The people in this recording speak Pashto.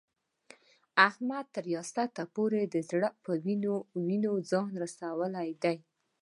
احمد تر ریاست پورې د زړه په وینو ځان رسولی دی.